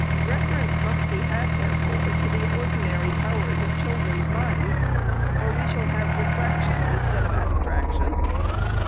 Reference must be had, therefore, to the ordinary powers of children's minds, or we shall have distraction instead of abstraction.